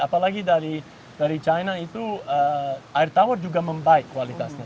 apalagi dari china itu air tawar juga membaik kualitasnya